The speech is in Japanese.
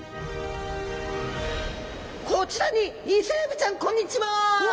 こちらにイセエビちゃんこんにちは！